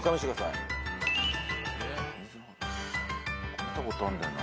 見たことあんだよな